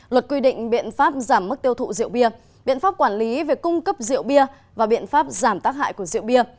luật quy định biện pháp giảm mức tiêu thụ rượu bia biện pháp quản lý về cung cấp rượu bia và biện pháp giảm tác hại của rượu bia